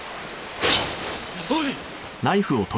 おい！